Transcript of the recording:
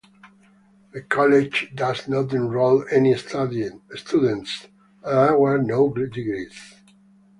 The College does not enroll any students and awards no degrees.